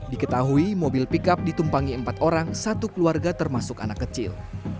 diketahui mobil pickup ditumpangi empat orang satu keluarga termasuk anak kecil